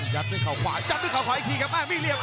ยัดด้วยเขาขวายัดด้วยเขาขวาอีกทีครับแม่งไม่เรียบ